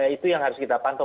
itu yang harus kita pantau